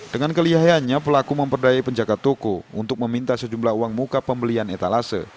dengan kelihayanya pelaku memperdaya penjaga toko untuk meminta sejumlah uang muka pembelian etalase